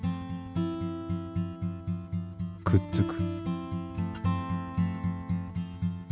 くっつく。